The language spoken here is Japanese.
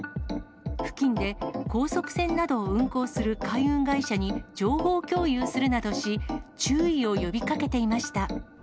付近で高速船などを運航する海運会社に情報共有するなどし、注意を呼びかけていました。